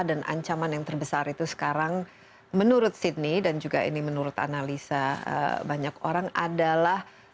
dan ancaman yang terbesar itu sekarang menurut sidney dan juga ini menurut analisa banyak orang adalah